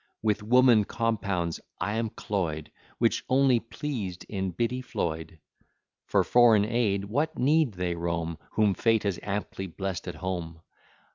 With woman compounds I am cloy'd, Which only pleased in Biddy Floyd. For foreign aid what need they roam, Whom fate has amply blest at home?